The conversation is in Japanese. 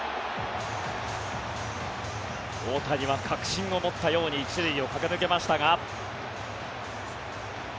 大谷は確信を持ったように１塁を駆け抜けましたが。